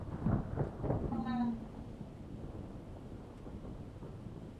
战后废寺。